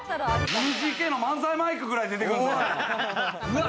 ＮＧＫの漫才マイクくらい出てくるぞ！